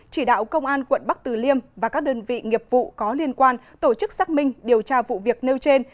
chỉ đạo công an quận bắc từ liêm và các đơn vị nghiệp vụ có liên quan tổ chức xác minh điều tra vụ việc nêu trên